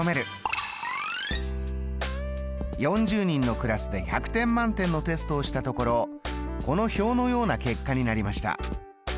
４０人のクラスで１００点満点のテストをしたところこの表のような結果になりました。